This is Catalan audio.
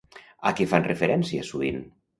A què fan referència sovint?